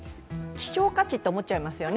希少価値と思っちゃいますよね。